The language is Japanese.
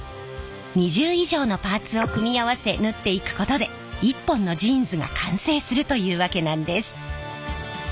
２０以上のパーツを組み合わせ縫っていくことで一本のジーンズが完成するというわけなんです。